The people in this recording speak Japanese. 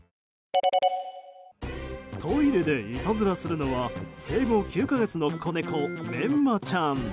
トイレでいたずらするのは生後９か月の子猫めんまちゃん。